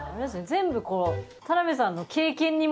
全部こう。